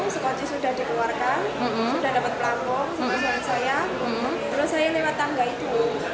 sekoci sudah dikeluarkan sudah dapat pelanggung terus saya lewat tangga itu